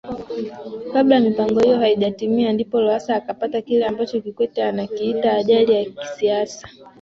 Kabla mipango hiyo haijatimia ndipo Lowassa akapata kile ambacho Kikwete anakiita ajali ya kisiasa